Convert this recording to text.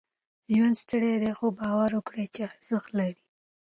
ژوند ستړی دی، خو؛ باور وکړئ چې ارزښت لري.